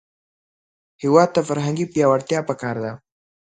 هېواد ته فرهنګي پیاوړتیا پکار ده